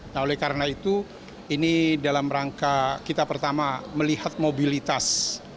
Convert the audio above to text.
nah oleh karena itu ini dalam rangka kita pertama melihat mobilitas